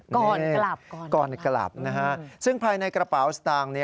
ก่อนกลับก่อนกลับซึ่งภายในกระเป๋าสตางค์